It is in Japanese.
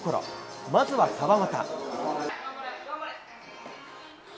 まずは川又。